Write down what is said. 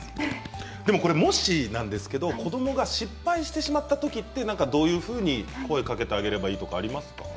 もし子どもが失敗してしまったときはどういうふうに声をかけてあげればいいとか、ありますか？